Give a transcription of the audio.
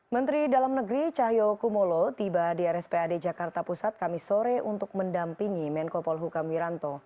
menteri dalam negeri cahyo kumolo tiba di rspad jakarta pusat kami sore untuk mendampingi menko polhukam wiranto